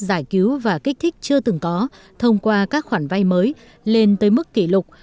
giải cứu và kích thích chưa từng có thông qua các khoản vay mới lên tới mức kỷ lục